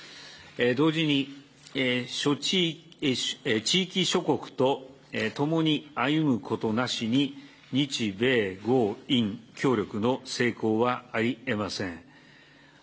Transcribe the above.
同時に地域諸国と共に歩むことなしに日米豪印協力の成功はありえません。